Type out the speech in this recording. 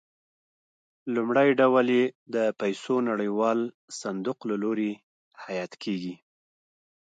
لومړی ډول یې د پیسو نړیوال صندوق له لوري حیات کېږي.